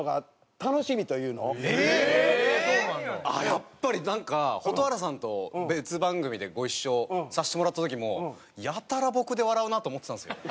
やっぱりなんか蛍原さんと別番組でご一緒させてもらった時もやたら僕で笑うなあと思ってたんですよ。